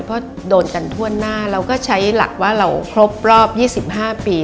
เพราะโดนกันทั่วหน้าเราก็ใช้หลักว่าเราครบรอบ๒๕ปี